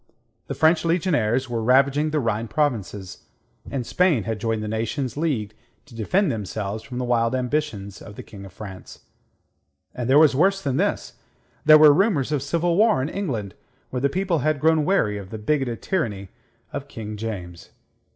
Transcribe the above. The French legionaries were ravaging the Rhine provinces, and Spain had joined the nations leagued to defend themselves from the wild ambitions of the King of France. And there was worse than this: there were rumours of civil war in England, where the people had grown weary of the bigoted tyranny of King James.